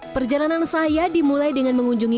perjalanan saya dimulai dengan mengunjungi